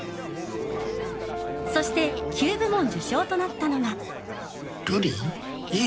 そして９部門受賞となったのが。